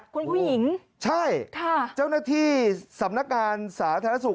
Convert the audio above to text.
คุณผู้หญิงใช่ค่ะเจ้าหน้าที่สำนักการสาธารณสุข